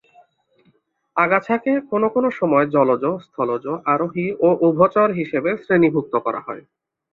আগাছাকে কোনো কোনো সময় জলজ, স্থলজ, আরোহী ও উভচর হিসেবে শ্রেণিভুক্ত করা হয়।